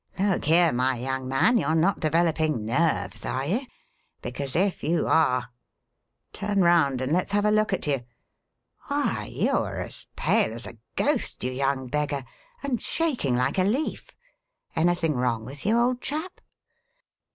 Look here, my young man, you're not developing 'nerves' are you? Because, if you are Turn round and let's have a look at you! Why, you are as pale as a ghost, you young beggar, and shaking like a leaf. Anything wrong with you, old chap?"